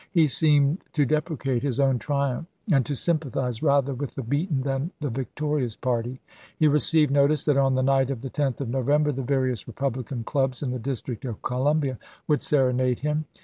He seemed to deprecate his own triumph and to sympathize rather with the beaten than the victorious party. He received notice that on the night of the 10th of November the various Eepublican clubs in the District of Columbia would serenade him.